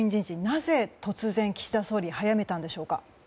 なぜ突然、岸田総理は早めたんでしょうか。